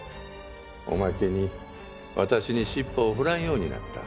おまけに私に尻尾を振らんようになった。